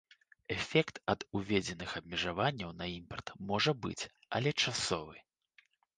Эфект ад уведзеных абмежаванняў на імпарт можа быць, але часовы.